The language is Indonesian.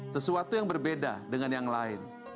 sesuatu yang berbeda dengan yang lain